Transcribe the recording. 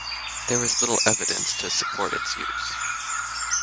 There is little evidence to support its use.